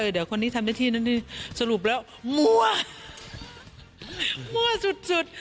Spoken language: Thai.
เดี๋ยวคนนี้ทำได้ที่นั่นนี่สรุปแล้วมั่วมั่วสุด